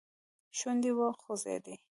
شونډې وخوځېدې.